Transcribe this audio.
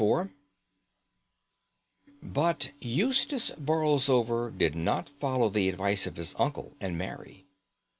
IV But Eustace Borlsover did not follow the advice of his uncle and marry.